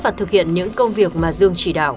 và thực hiện những công việc mà dương chỉ đạo